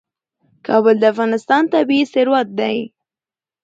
کابل د افغانستان طبعي ثروت دی.